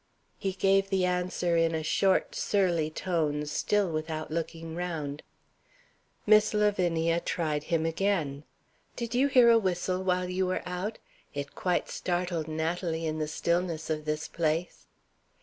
He gave the answer in a short, surly tone, still without looking round. Miss Lavinia tried him again. "Did you hear a whistle while you were out? It quite startled Natalie in the stillness of this place."